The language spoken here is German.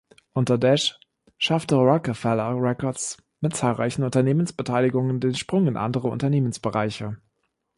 Unter Dash schaffte Roc-A-Fella Records mit zahlreichen Unternehmensbeteiligungen den Sprung in andere Unternehmensbereiche.